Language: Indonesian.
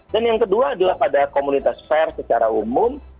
dan yang kedua adalah pada komunitas pers secara umum